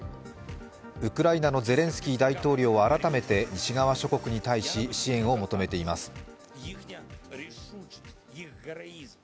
ウクライナのゼレンスキー大統領は改めて西側諸国に対し、支援を求めています。